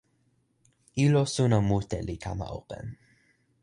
ilo suno mute li kama open.